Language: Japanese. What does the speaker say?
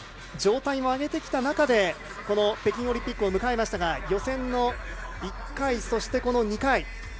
状態を上げてきた中で北京オリンピックを迎えましたが予選の１回、そして２回。